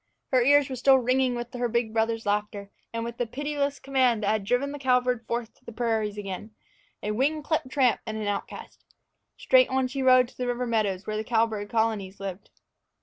Her ears were still ringing with her big brothers' laughter, and with the pitiless command that had driven the cowbird forth to the prairies again a wing clipped tramp and an outcast! Straight on she rode to the river meadows where the cowbird colonies lived.